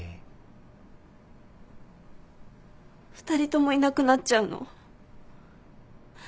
２人ともいなくなっちゃうの？